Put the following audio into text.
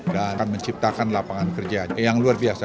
dan akan menciptakan lapangan kerja yang luar biasa